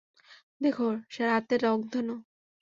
দেখো, রাতের রংধনু।